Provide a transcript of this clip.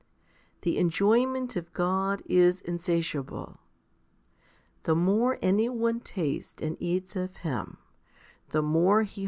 The enjoyment of God is insatiable. The more any one tastes and eats of Him, the more he 1 i Thess.